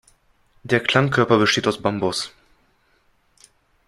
Der Klangkörper besteht aus Bambus.